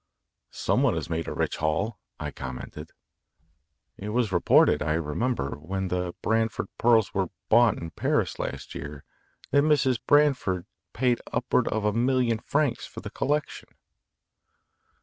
"Some one has made a rich haul," I commented. "It was reported, I remember, when the Branford pearls were bought in Paris last year that Mrs. Branford paid upward of a million francs for the collection."